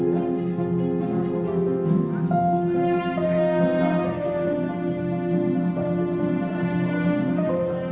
mencoba untuk mencoba